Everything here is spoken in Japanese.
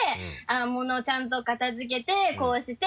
物ちゃんと片付けてこうして。